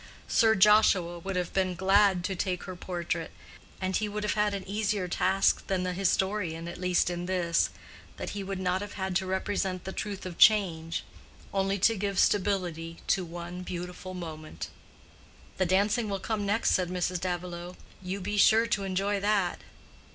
Sir Joshua would have been glad to take her portrait; and he would have had an easier task than the historian at least in this, that he would not have had to represent the truth of change—only to give stability to one beautiful moment. "The dancing will come next," said Mrs. Davilow "You are sure to enjoy that."